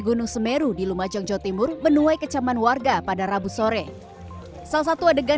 gunung semeru di lumajang jawa timur menuai kecaman warga pada rabu sore salah satu adegan